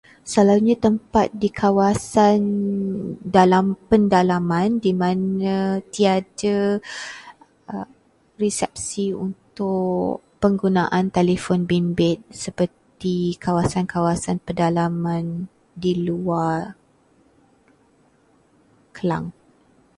Selalunya tempat di kawasan dalam- pedalaman di mana tiada resepsi untuk penggunaan telefon bimbit seperti kawasan-kawasan pedalaman di luar Klang.